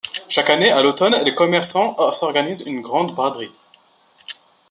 Chaque année, à l’automne, les commerçants organisent une grande braderie.